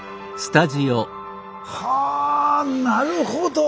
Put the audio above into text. はなるほど。